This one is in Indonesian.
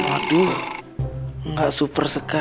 aduh nggak super sekejap